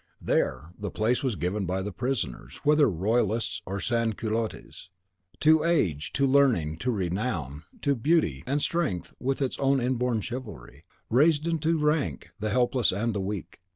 There, place was given by the prisoners, whether royalists or sans culottes, to Age, to Learning, to Renown, to Beauty; and Strength, with its own inborn chivalry, raised into rank the helpless and the weak.